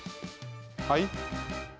はい？